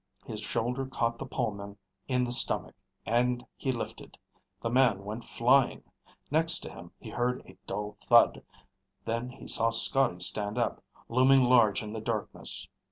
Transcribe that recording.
His shoulder caught the poleman in the stomach, and he lifted. The man went flying. Next to him he heard a dull thud, then he saw Scotty stand up, looming large in the darkness.